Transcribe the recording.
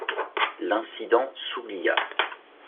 L’incident s’oublia.